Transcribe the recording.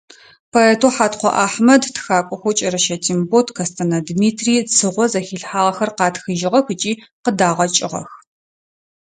Поэтэу Хьаткъо Ахьмэд, тхакӀохэу КӀэрэщэ Тембот, Кэстэнэ Дмитрий Цыгъо зэхилъхьагъэхэр къатхыжьыгъэх ыкӀи къыдагъэкӀыгъэх.